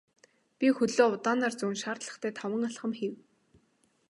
Би хөлөө удаанаар зөөн шаардлагатай таван алхам хийв.